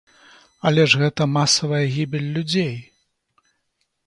Але ж гэта масавая гібель людзей.